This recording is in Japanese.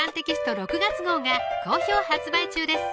６月号が好評発売中です